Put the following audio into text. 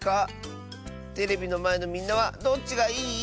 テレビのまえのみんなはどっちがいい？